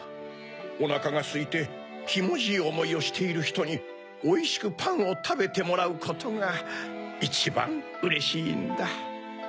おなかがすいてひもじいおもいをしているひとにおいしくパンをたべてもらうことがいちばんうれしいんだ。